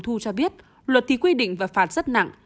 bác sĩ trần thị hồng thu cho biết luật thì quy định và phạt rất nặng